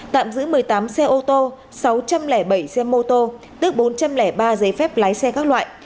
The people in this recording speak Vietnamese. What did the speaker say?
tạm giữ một mươi tám xe ô tô sáu trăm linh bảy xe mô tô tước bốn trăm linh ba giấy phép lái xe các loại